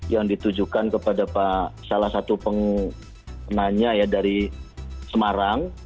yang ditujukan kepada salah satu penanya dari semarang